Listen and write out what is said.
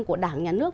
của đảng nhà nước